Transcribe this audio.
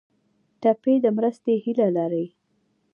ټپي د مرستې هیله لري.